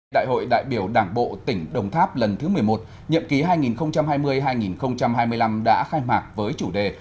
đại hội đại biểu đảng bộ tỉnh đồng tháp lần thứ một mươi một nhậm ký hai nghìn hai mươi hai nghìn hai mươi năm đã khai mạc với chủ đề